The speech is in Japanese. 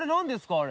あれ？